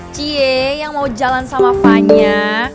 ciee yang mau jalan sama vanya